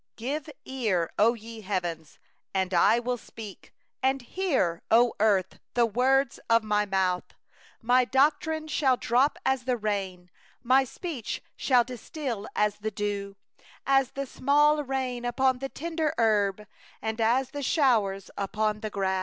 Give ear, ye heavens, and I will speak; And let the earth hear the words of my mouth. 2My doctrine shall drop as the rain, My speech shall distil as the dew; As the small rain upon the tender grass, And as the showers upon the herb.